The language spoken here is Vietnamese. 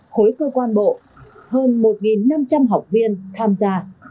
khối cơ quan bộ hơn một năm trăm linh học viên tham gia